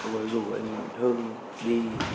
đổ dù anh hưng